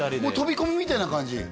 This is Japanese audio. もう飛び込みみたいな感じ？